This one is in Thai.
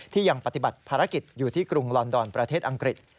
ยังปฏิบัติภารกิจอยู่ที่กรุงลอนดอนประเทศอังกฤษ